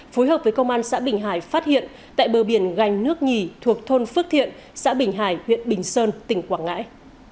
phối hợp với công an xã bình hải phát hiện tại bờ biển gành nước nhì thuộc thôn phước thiện xã bình hải huyện bình sơn tỉnh quảng ngãi